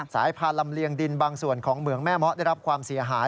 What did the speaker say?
สายพานลำเลียงดินบางส่วนของเหมืองแม่เมาะได้รับความเสียหาย